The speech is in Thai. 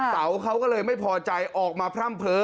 เต๋าเขาก็เลยไม่พอใจออกมาพร่ำเผลอ